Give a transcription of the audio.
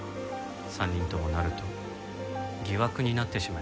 ３人ともなると疑惑になってしまいます。